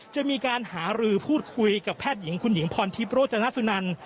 จะมีการหารือพูดคุยกับแพทย์หญิงคุณหญิงพรทิพย์โรจนสุนัน